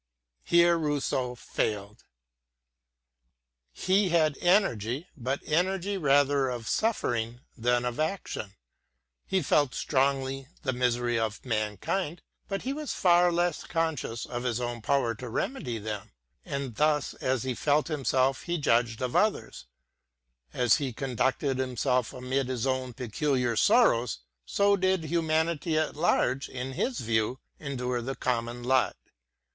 Here Kousseau failed. He had energy, but energy rather of suffering than of action; he felt strongly the miseries of mankind, but he was far onscious of his own power to remedy them; — and thus as he felt himself he judged of others; as he con ducted himself amid his own peculiar sorrows, so did hu manity at large, in his view, endure the common lot.